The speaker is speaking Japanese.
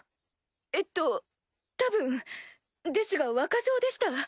えっと多分ですが若造でした。